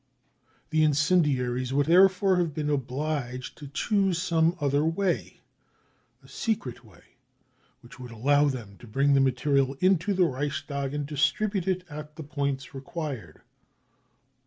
The incendiaries would therefore have been obliged to choose some other way, a secret way, which would allow them to bring the material into the Reichstag and distribute it at the points required.